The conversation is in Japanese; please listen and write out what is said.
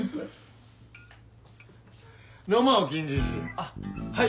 あっはい！